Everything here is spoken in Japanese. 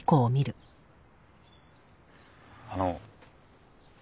あの。